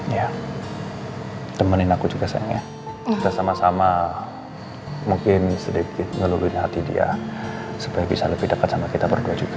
ya temenin aku juga sayangnya kita sama sama mungkin sedikit ngeluhin hati dia supaya bisa lebih dekat sama kita berdua juga